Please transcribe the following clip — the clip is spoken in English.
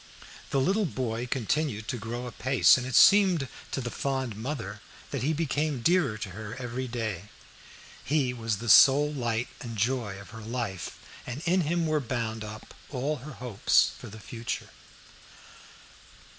The little boy continued to grow apace, and it seemed to the fond mother that he became dearer to her every day. He was the sole light and joy of her life, and in him were bound up all her hopes for the future.